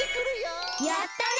やったね！